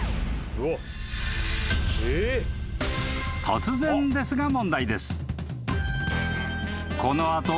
［突然ですが問題です］